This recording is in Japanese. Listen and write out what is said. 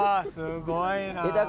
すごいな。